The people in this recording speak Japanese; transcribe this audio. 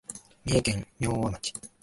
三重県明和町